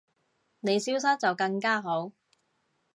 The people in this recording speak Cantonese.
你消失就更加好